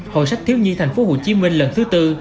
hội sách thiếu nhi thành phố hồ chí minh lần thứ tư